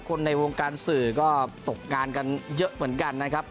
คนในวงการสื่อก็ตกงานกันเยอะเหมือนกันนะครับ